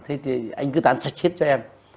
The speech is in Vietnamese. thế thì anh cứ tán sạch hết cho em